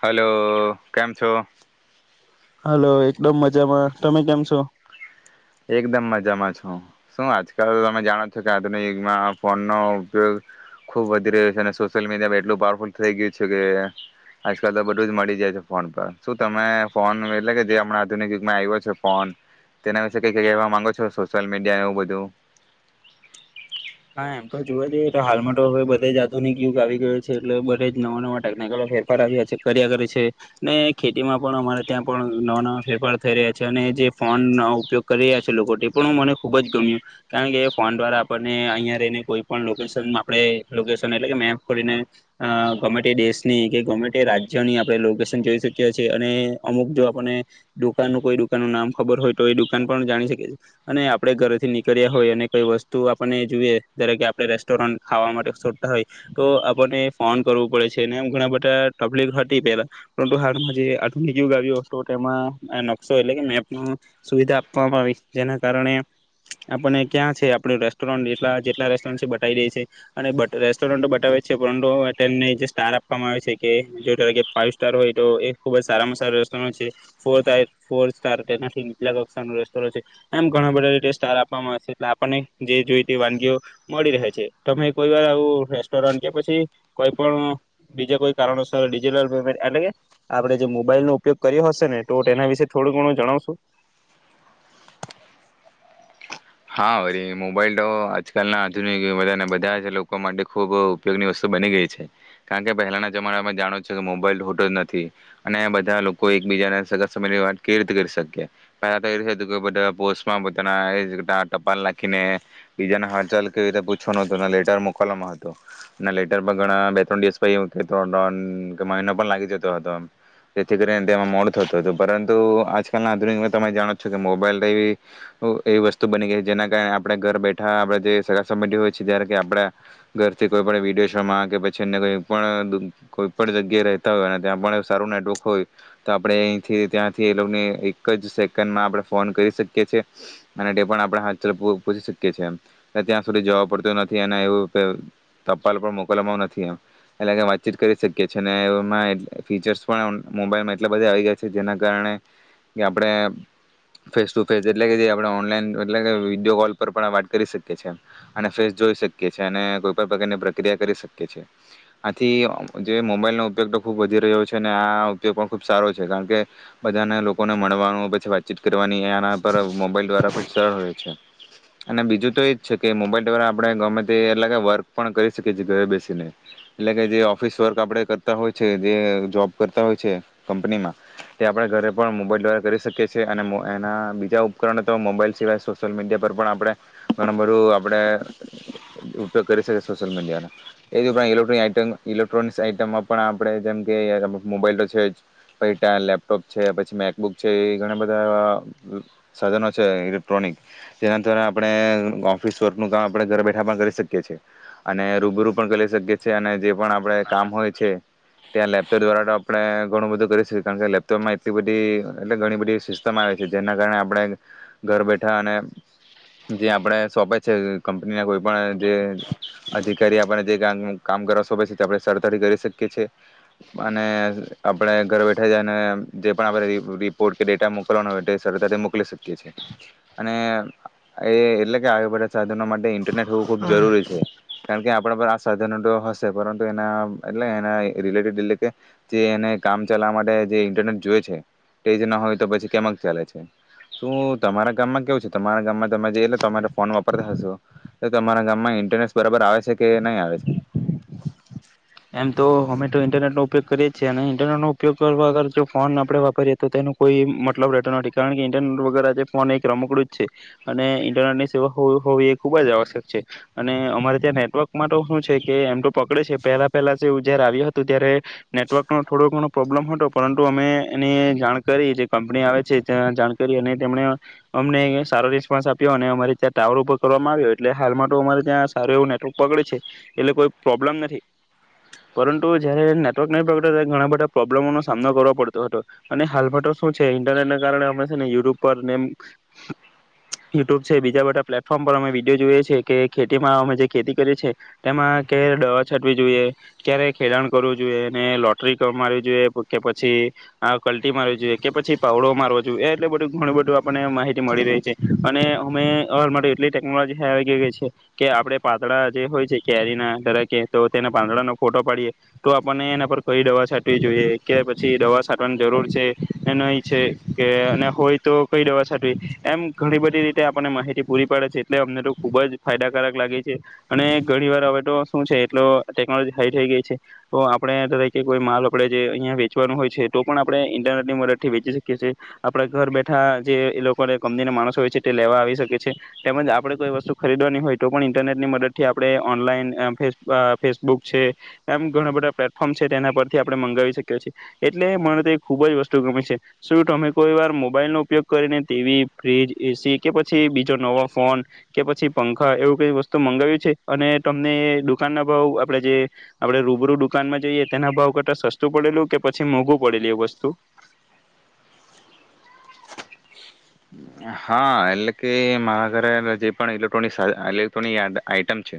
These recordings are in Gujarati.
હલો કેમ છો. હલો એ ડમ મજામાં તમે કેમ છો. એકદમ મજામાં છો શું આજકાલ તમે જાણો છો કે આધુનિક યુગમાં ફોનનો ઉપયોગ ખુબ વધી રહ્યો છે અને સોશિયલ મીડિયામાં એટલું પાવરફુલ થઈ ગયું છે કે આજકાલ તો બધું જ મળી જાય છે ફોન પર શું તમે ફોન એટલે કે જે હમણાં આધુનિક યુગમાં આવ્યો છે ફોન તેના વિ ક કવા માંગો છો સોશિયલ મીડિયાને એવું બધું. હા એમ તો જોવા જઈએ તો હાલમાં તો હવે બધા જ આધુનિક યુગ આવી ગયો છે એટલે બધે જ નવા-નવા ટેકનિકલ ફેરફાર આવ્યા છે કર્યા કરે છે ને ખેતીમાં પણ અમારે ત્યાં પણ નવા-નવા ફેરફાર થઈ રહ્યા છે અને જે ફોનનો ઉપયોગ કરી રહ્યા છે લોકો પણ હું મને ખુબ જ ગમ્યું કારણ કે ફોન દ્વારા આપણને અહી રહીને કોઈ પણકેશન લોકેશન એટલે કે મેપ કરીને ગમે તે દેશની કે ગમે તે રાજ્યની આપણે લોકેશન જોઈ શકીએ છીએ અને અમુક જો આપને દુકાન ન કોઈ દુકાન નું નામ ખબર હોય તો એ દુકાન પણ જાણી શકીએએ અને આપડે ઘરેથી નીકળ્યા હોય અને કઈ વસ્તુ આપ જોએ જકે આપડે રેસ્ટોરન્ટ ખાવા માટે છો હોય તો આપને ફોન કરવું પડે છે ઘણા બધા ટબ્લિક હતી પેલા પરુ હાલમાં જે આુંકું ગ્યુંમાં નકશો એટલે કે મેપ સુવિધા આપવામાં આવી જેના કારણે આપને ક્યાં છે આપડે રસ્ટોર જેટલા જેટલા રેસ્ટોરન્ટ છે બતાવી દે છે અને રેસ્ટોરન્ટો બતાવે છે પરંતુટેને જે સ્ટાર આપવામાં આવે છે કે જો ત કે ફાઈઇવ સ્ટાર હોય તો એ ખુબ જ સારામાં સારા રેસ્ટોરન્ટ છે ફોર ફોર સ્ટારનાથી નીચલા કક્ષાનું રેસ્ટોરન્ટ છે એમ ઘણા બધા રીતે સ્ટાર આપવામાં આવે છે એટલે આપણને જે જોઈ તે વાનગીઓ મળી રહે છે તમે કોઈ વાર આવું રેસ્ટોરન્ટ કે પછી કોઈ પણ બીજા કોઈ કારણોસર ડિજિટલ પેમેન્ટ એટલે કે આપણે જે મોબાઈલ નો ઉપયોગ કર્યો હશે ને તો તેના વિશે થોડું ઘણું જણાવશું. હા વરી મોબાઈલ તો આજકાલના આધુનિક બધા જ લોકો માટે ખુબ ઉપયોગની વસ્તુ બની ગઈ છે કારણ કે પહેલાના જમાનામાં જાણો છે કે મોબાઈલ હોતો જ નથી અને બધા લોકો એકબીજાને સગા સબંધનીવાત કેવી રીતે કરી શકે પહેલા તો એ કે બધા પોસ્ટમાં પોતાના ટપાલ નાખીને બીજા હાલચલ કેવી રીતે પૂછવા ન લેટર મોકલવાવામાં હતો ના લેટર પર ઘણા બે ત્રણ દિવસ પ્ર મહિનો પણ લાગી જતો હતો જેથી કરીને તેમાં મોડ થતું હતું પરંતુ આજકાલ ના આધુનિક તમે જાણો છો કે મોબાઈલ એ વસ્તુ બની ગ જેના કારણે આપણે ઘર બેઠા આપણે જે સગા હોય છે જારે કે આપડા ઘરથી કોઈ પણ વિડીયો શોમાં કે પછી અ્ય કોઈ પણ કોઈ પણ જગ્યાએ રહેતા હોય ત્યાં પણ સારું નેટવર્ક હોય તો આપણેથી ત્યાંથી એ એક જ સેકન્ડમાં આપણે ફોન કરી શકીએ છે. અને તે પણ આપણે હ પૂછી શકીએીએ ત્યાં સુધી જવા પડતું નથી અને એવું ટપાલ પણ મોકલવામાં નથી. એટલે કે વાતચીત કરી શકીએ છીએ અને એમાં ફીચર્સ પણ મોબાઈલમાં એટલા બધા આવી ગયા છે જેના કારણે કે આપણે ફેસ ટુ ફેસ એટલે કે જે આપણે ઓનલાઈન એટલે કે વિડીયો કોલ પર પણ વાત કરી શકીએ છીએ અને ફેસ જોઈ શકીએ છીએ અને કોઈ પણણ પ્રકારની પ્રક્રિયા કરી શકીએ છીએ આથી જે મોબાઈલનો ઉપયોગ તો ખૂબ વધી રહ્યો છે અને આ ઉપયોગ પણ ખૂબ સારો છે કારણ કે બધાને લોકોને મળવાનું પછી વાતચીત કરવાની આના પર મોબાઈલ દ્વારા ખુબ સરળ હોય છે અને બીજું તો એજ છે કે મોબાઈલ દ્વારા આપણે ગમે તે એટલે વર્ક પણ કરી શકીએીએ ઘરે બેસીને એટલે કે જે ઓફિસ વર્ક આપણે કરતા હોય છે જે જોબ કરતા હોય છે કંપનીમાં તે આપણે ઘરે પણ મોબાઈલ દ્વારા કરી શકીએ છ છેએ અને એના બીજા ઉપકરણ તો મોબાઈલ સિવાય સોશિયલ મીડિયા પર પણ આપણે ઘણું બધું આપડણે ઉપયોગ કરી શકીએ સોશિ્યયલ મીડિયાનો એ ઉપ ઇલેક્ટ્રોનિક આઈટમ ઇલેક્ટ્રોનિક્સ આઈટમમાં પણ આપણે જેમકે મોબાઈલ તો છે પૈટા લેપટોપ છે પછી મેકબુક છે એ ઘણા બધા સાધનો છે ઇલેક્ટ્રોનિક જેના દ્વા આપણે ઓફિસ વર્કનું કામ આપણે ઘરે બેઠા પણ કરી શકીએ છીએ અને રૂબરૂ પણ કરી શકીએ છીએ અને જે પણ આપડે કામ હોય છે. ત્યાં લેપટોપ દ્વારા તો આપણે ઘણું બધું કરી શકીએ કારણ કે લેપટોપમાં એટલી બધી એટલે ઘણી બધી સિસ્ટમ આવે છે જેના કારણે આપણે ઘર બેઠા અને જે આપણે સોંપે છે કંપનીના કોઈ પણ જે અધિકારી આપને જે કામ કરવા સોંપે છે આપણે સરતાથી કરી શકીએ છેએ અને આપણે ઘર બેઠા જઈને જે પણ આપણે રિપોર્ટ કે ડેટા મોકલવાનો હોય સરતાથી ટલે બધા સાધનો માટે થ વું ખૂબ હા જરૂરી છે. કારણ કે આપણા પર આ સાધનો તો હશે પરંતુ એના એટલે એના રિલેટેડ એટલે કે જે એને કામ ચાલવા માટે જે ઇન્ટરનેટ જોય છે તે જ ના હોય તો પછી કેમક ચાલે છે. શું તમારા ગામમાં કેવું છે તમારા ગામમાં તમે એટલે તમારે ફોન વાપરતા હશો તો તમારા ગામમાં ઇન્ટરનેટ બરાબર આવે છે કે નહી આવે છે. એમ તો અમે તો ઇન્ટરનેટ નો ઉપયોગ કરીએે જ છીએ અને ઇન્ટરનેટ નો ઉપયોગ કરવા વગર જો ફોન આપણે વાપરીએ તો તેનો કોઈ મતલબ રહેતો નથી કારણ કે ઇન્ટરનેટ વગર આજે ફોન એક રમકડું જ છે અને ઇન્ટરનેટ ની સેવા હોવી એ ખુબ જ આવશ્યક છે અને અમારે ત્યાં નેટવર્કમાં તો શું છે કે એમ તો પકડે છે પહેલા પહેલાું જયારે આવ્યું હતું ત્યારે નેટવર્કનો થોડો ઘણો પ્રોબ્લમ હતો પરંતુ અમે એની જાણકારી જે કંપની આવે છે ત્યાં જાણ કરી અને તેમને અમને સારો રિસ્પોન્સ આપ્યો અને અમારે ત્યાં ટાવર ઉપર કરવામાં આવ્યો એટલે હાલમાં તો અમારે ત્યાં સારું એવું નેટવર્ક પકડે છે એટલે કોઈ પ્રોબ્લમ નથી. પરંતુ જયારે નેટવર્ક નહી પગતો ત્યારે ઘણા બધા પ્રોબ્લેમો નો સામનો કરવો પડતો હતો અને હાલમાં તો શું છે ઇન્ટરનેટને કારણે અમે છે ને યુટ્યુબ પર ને યુટ્યુબ છે બીજા બધા પ્લેટફોર્મ પર અમે વિડીયો જોઈએ છ છે કે ખેતીમાં અમે જે ખેતી કરીએીએ તેમાં કે દવા છટવી જોઈએ. ક્યારે ખેડાણ કરવું જોઈએ એને લોટરી મારવી જોઈએ કે પછી આ કલટી મારવી જોઈએ કે પછી પાવડો મારવો જોઈએ એટલે બધું ઘણું બધું આપને માહિતી મળી રહી છે અને અમે હ માટે એટલી ટેકનોલોજી આવી ગ ગઈ છે કે આપડે પાતળા જે હોય છે કેરી ના દરાકે તો તેને પાંદડાનો ફોટો પાડીએ તો આપણને એના પર કઈ દવા છાંટવી જોઈએ કે પછી દવા છંટવાની જરૂર છે નહીં છે કે અને હોય તો કઈ દવા છાંટવી એમ ઘણી બધી રીતે આપણને માહિતી પૂરી પાડે છે એટલે અમને તો ખૂબ જ ફાયદાકારક લાગે છે અને ઘણી વાર હવે તો શું છે એટલો ટેકનોલોજી હાઈ થઈ ગઈ છે તો આપણે તરેકે કોઈ માલ આપણે જે અહીંયા વેચવાનું હોય છે તો પણ આપણે ઇન્ટરનેટની મદદથી વેચી શકીએ છીએ આપણા ઘર બેઠા જે એ લોકોને કંપનીના માણસો હોય છે તે લેવા આવી શકી છીએ તેમજ આપણે કોઈ વસ્તુ ખરીદવાની હોય તો પણ ઇન્ટરનેટની મદદથી આપણે ઓનલાઈન ફેસ ફેસબુક છે એમ ઘણા બધા પ્લેટફોર્મ છે તેના પરથી આપણે મંગાવી શકીએ છીએ એટલે મને તો ખુબ જ વસ્તુ ગમે છે શું તમે કોઈ વાર મોબાઈલનોો ઉપયોગ કરીને ટીવી ફ્રીજ એસી કે પછી બીજો નવો ફોન કે પછી પંખા એવું કઈ વસ્તુ મંગાવ્યું છે અને તમને દુકાનના આપે જે આપણેે રૂબરૂ દુકાનમાં જઈએ તેના ભાવ કરતા સસ્તું પડેલું કે પછી મોંઘું પડેલ એ વસ્તુ હા એટલે કે મારા ઘરે જે પણ ઇલેક્ટ્રોનિક ઇલેક્ટ્રોનિક આઈટમ છે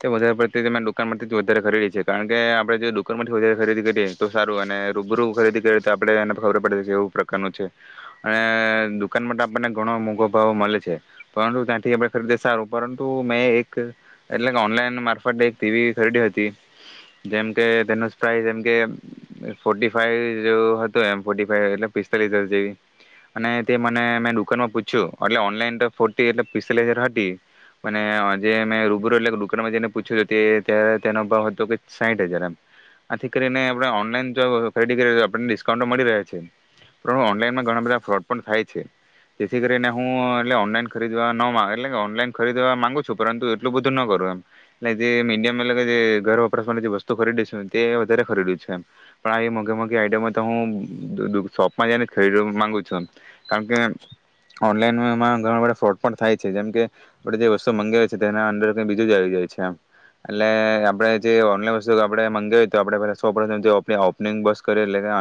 તે વધારે પડતી દુકાન માંથી વધારે ખરીદી છે કારણ કે આપડે જો દુકાન માંથી વધારે ખરીદી કરીએ તો સારું અને રૂબરૂ ખરીદી કરીએ તો આપણે એને ખબર પડે એવું પ્રકારનું છે અને દુકાન માટે આપને ઘણો મોઘો ભાવ મળે છે પરંતુ ત્યાંથી આપણે ખરીદીએ સારું પરંતુ મેં એક એટલે ઓનલાઈન મારફતે એક ટીવી ખરીદી હતી જેમકે તેનો પ્રાઇસ જેમ કે ફોર્ટી ફાઈવ હતો એમ ફો ફાવ એટલે પિસ્તાલીસ હજાર જેવી અને તે મને મે પૂછ એટલે ઓનલાઈન તો ફોર્ટી એટલે પિસ્તાલી હજાર હતી અને જે મેં રૂબરૂ એટલે દુકાનમાં જને પૂછ્યું તે્યારે તેનો અ ભાવ હતો કે સાહીઠ હજાર એમ આથી કરીને આપ ઓનલાઈન જો ખરીદી કરી આપને ડિસ્કાઉન્ટ મળી રહ્યા છે પણ ઓનલાઈનમાં ઘણા બધા ફ્રોડ પણ થાય છે. જેથી કરીને હું એટલે ઓનલાઈન ખરીદવા ન મા એટલે કે ઓનલાઈન ખરીદવા મામાંગુ છું પરંતુ એટલું બધું ન કરું એમ એટલે જે મીડિયમ એટલે કે જે ઘર વપરસવાની જે વસ્તુ ખરીદીશું તે એ વધારે ખરીદ્યું છેું એમ પણ આ મોઘી મોઘી આઈટમો તો હું શોપમાં જઈને જ ખરી માગુ છું એમ કારણ કે ઓનલાઈનમાં ઘણા બધા ફ્રોડ પણ થાય છે જેમ કે આપણે જે વસ્તુ મગી હોય છે તેના અંદર ક બીજું જ આવી જાય છેમ એટલે આપણે જે ઓનલાઈન વસ્તુ આપણે મગી તો આપણે પે સો ઓપનિંગ બસ કરી એ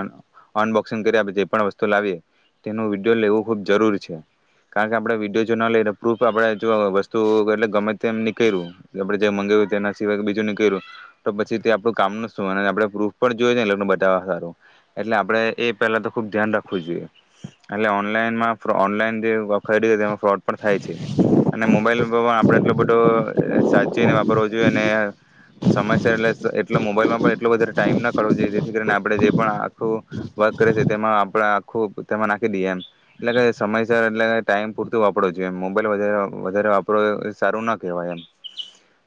અનબોક્સિંગ કરી આપણે જે પણ વસ્તુ લાવીએ તેનું વિડીયો લેવ ખૂબ જરૂરી છે. કારણ કે આપે વિડીયો જો ના લઈ પ્રૂફ આપે જો વસ્તુ એલે ગમે તે નીકળ્યું જે મગાવ્યું તેના સિવાય બીજું નીકળ્યું તો પછી તે આપડું કામ ન શું આપણે પ્રૂફ પણ જોયએ એ બતાવવા સારું એટલે આપે એ પેલા તો ખુબ ધ્યાન રાખવું જોઈએ એટલે ઓનલાઈનમાં ઓનલાઈન જે ખરીદી તેમાં ફ્રોડ પણ થાય છે અને મોબાઈલ પણ આપણેે એટલો બધો સાચીને વાપરવો જોઈએ અને સમયસ એટલે એટ મોબાઈલમાં પણ એટલો ટાઈમ ના કરવો જોઈએ જેથી કરીને આપણે જે પણ આખું વર્ક કરીએ તેમાં આપ આખું તેમાં નાખી દઈએ એમ એટલે કે સમયસર એટલે કે ટાઈમ પૂરતું વાપરોવું જોઈએ એમ મોબાઈલ વધ વધારે વાપરો એ સારું ના કહેવાય એમ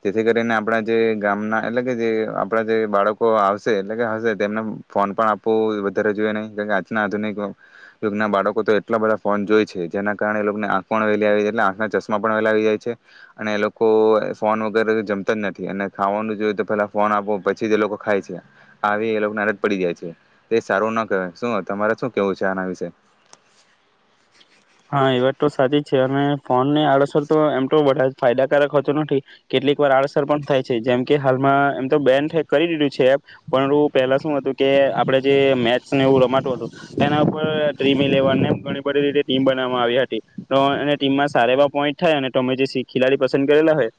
જેથી કરીને આપણા જે ગામના એટલે કે જે આપણા જે બાળકો આવશે એટલે કે હશે તેમને ફોન પણ આપવું વધારે જોઈએ નહીં કારણ આજના આધુનિક યુગના બાળકો તો એટલા બધા ફોન જોય છે જેના કારણે એ લોકોને આંખ પણ વહેલી આવીાય છે એટલે આંખ ના ચશ્મા પણ વહેલા આવી જાય છે અને એ લોકો ફોન વગેરે જમતા જ નથી અને ખાવાનું જો તો પેલા ફોન આપો પછી જે લોકો ખાય છે આવી એ લોકોને અરજ પડી જાય છે સારું ના કહેય શું તમારે શું કેવું છે આના વિશે હા એ વાત તો સાચી છે અને ફોન ની આડઅસર તો એમ તોધ ફાયદાકારકતો નથી કેટલીક વાર આડઅસર પણ થાય છે જેમ કે હાલમાં એમ તો બેન કરી દીધું છે એપ પણ પહેલા શું હતું કે આપડે જે મેચને એવું રમાતું હતું તેના ઉપર ડ્રીમ ઈ લેવનને બધ રીતે ટીમ બનાવામાં આવી હતી તો એ ટીમમાં સારા એવા પોઈન્ટ થાય અને તમે જે ખેલાડી પસંદ કરેલા હોય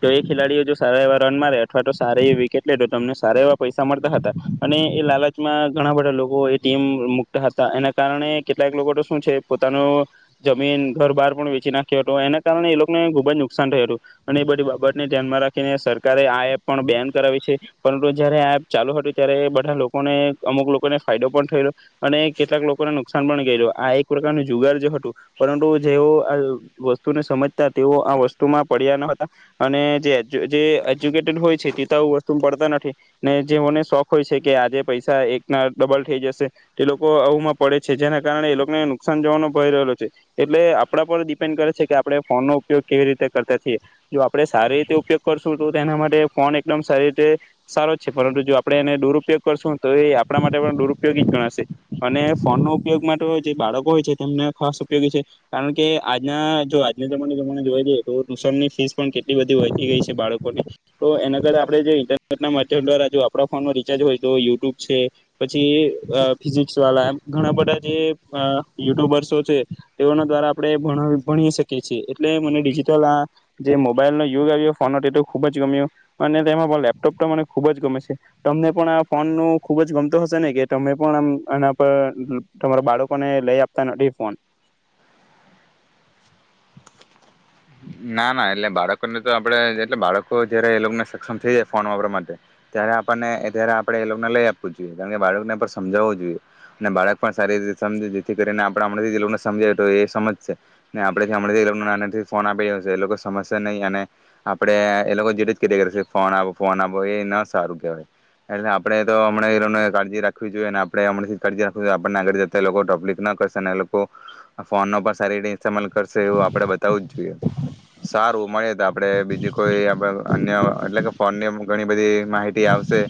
તો એ ખેલાડીઓ જો સારા એવા રન મારે અથવા તો સારા એવી વિકેટ લે તો તમને સારા એવા પૈસા મળતા હતા અને એ લાલચમાં ઘણા બધા લોકો એ ટીમ મુકતા હતા એના કારણે કેટલાક લોકો તો શું છે. પોતાનું જમીન ઘર બહાર પણ વેચી નાખ્યો હતો એના કારણે એ લોકોને ખુબ જ નુકસાન થયું હતું અને એ બધી બાબતને ધ્યાનમાં રાખીને સરકારે આ એપ પણ બેન કરાવી છે પરંતુ જયારે આ એપ ચાલુ હતું ત્યારે એ બધા લોકોને અમુક લોકોને ફાયદો પણ થયેલો અને કેટલાક લોકોને નુકસાન પણ ગયેલ આ એક જુગારજ હતું પરંતુ જેઓ આ વસ્તુને સમજતા તેઓ આ વસ્તુમાં પડ્યા ન હતા અને જે જે એજ્યુકેટેડ હોય છે તેતા વસ્તુ પડતા નથી ને જેઓને શોખ હોય છે કે આજે પૈસા એક ના ડબલ થઈ જશે તે લોકો આવુમાં પડે છે જેના કારણે એ લોકોને નુકાનવા ભય છે એટલે આપણા પર ડિપેન્ડ કરે છે કે આપણે ફોનનોો ઉપયોગ કેવી રીતે કરતા છીએ જો આપડણે સારી રીતે ઉપયોગ કરશું તો એના માટે ફોન એકદમ સારી રીતે સારો જ છે પરંતુ જો આપણે એને દુરપયોગ કરશું તો એ આપણા માટે પણ દુરુપયોગી જ ગણાશે અને ફોનનો ઉપયોગ માટે જે બાળકો હોય છે તેમને ખાસ ઉપયોગી છે કારણ કે આજના જો આજના જમાના જમાને જોઈ લઈએ તો ટ્યુશનની ફીસ પણ કેટલી બધી વધી ગઈ છે બાળકોની તો એના કર આપણે જે ઇન્ટરનેટના માધ્યમ દ્વારા જો આપણા ફોનનો રિચાર્જ હોય તો યુટ્યુબ છે પછી ફિઝિક્સ વાળા એમ ઘણા બધા જે યુટ્યુબર્સો છે તેઓના દ્વારા આપણે ભણી શકીએ છીએ એટલે મને ડિજિટલ આ જે મોબાઈલનો યુગ આવ્યો ફોન તો ખૂબ જ ગમ્યો અને તેમાં પણ લેપટોપ તો મને ખૂબ જ ગમે છે તમને પણ આ ફોન ન ખૂબ જ ગમતો હશે ને કે તમે પણ આમ એના પર તમારા બાળકોને લઈ આપ તા નથી ફોન ના ના એટલે બાળકોને તો આપડે એટલે બાળકો જયારે એ લોકોને સક્ષમ થઈ જાય ફોન વાપરવા માટે ત્યારે આપણને્યારે આપણે એ લોકોને લઈ આપવું જોઈએ કારણ કે બાળકને પણ સમજાવવું જોઈએ અને બાળક પણ સારી રીતે સમજ જેથી કરીને આપે હમણાંથીને સમજાવે તો એ સમજ છે આપડેથી હમણાં નાથી ફોન આપી રહ હશે એ લોકો સમજશે નહીં અને આપડે એ લોકો જે રી જ કે ફોન આપો ફોન આપો એ ન સારું કેહેવાય એટલે આપડે તો હમણાં કાજી રાખવી જોઈએ ને આપડે હમણાં કાજી રાખ જોઈએ આપણને આગળ જતા એ લોકો ટોપ્લિક ના કરશે એ લોકો ફોનનો પણ સારી અમલ કરશે એવું આપડ બતાવું સા હારું મળ તઈ આપડે બીજું કોઇ આપણ અન્ય એટલે કે ફોનની ઘણી બધી માહિતી આવશે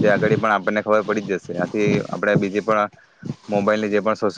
તે આગળ પણ આપને ખબર પડી જશે આથી આપણેે બીજી પણ મોબાઈલની જે પણ